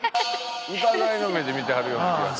疑いの目で見てはるような気が。